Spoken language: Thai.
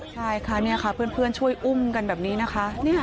ใช่ค่ะนี่ค่ะเพื่อนช่วยอุ้มกันแบบนี้นะคะ